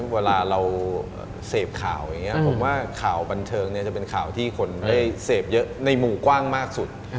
เวลาเราเสพข่าวอย่างนี้ผมว่าข่าวบันเทิงเนี่ยจะเป็นข่าวที่คนได้เสพเยอะในมุมกว้างมากสุด